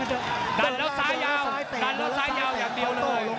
ดันแล้วซ้ายยาวดันแล้วซ้ายยาวอย่างเดียวเลย